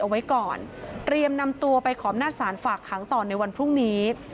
เอาไว้ก่อนเตรียมนำตัวไปขอบหน้าศาลฝากขังต่อในวันพรุ่งนี้